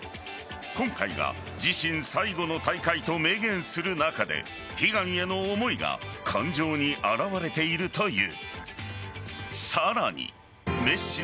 今回が自身最後の大会と明言する中で悲願への思いが感情に表れているという。